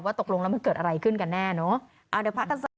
ว่าตกลงแล้วมันเกิดอะไรขึ้นกันแน่เนอะ